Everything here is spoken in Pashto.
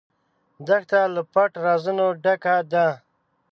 دښته له پټ رازونو ډکه ده.